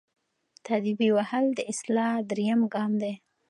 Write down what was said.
تاديبي وهل د اصلاح دریم ګام دی.